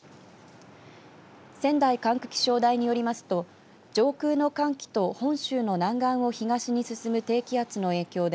仙台管区気象台によりますと上空の寒気と本州の南岸を東に進む低気圧の影響で